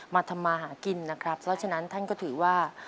มาทำมาหากินนะครับเพราะฉะนั้นท่านก็ถือว่า